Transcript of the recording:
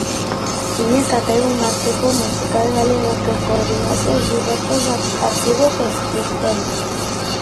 Tiña que haber un arquivo musical galego que coordinase os diversos arquivos existentes.